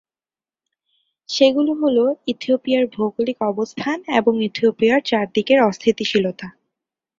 সেগুলো হল, ইথিওপিয়ার ভৌগোলিক অবস্থান এবং ইথিওপিয়ার চারদিকে অস্থিতিশীলতা।